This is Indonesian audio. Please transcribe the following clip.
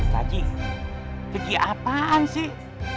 saji keji apaan sih